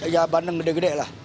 ya bandeng gede gede lah